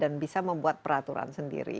dan bisa membuat peraturan sendiri